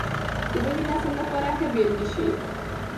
د نوي نسل لپاره ښه بېلګه شئ.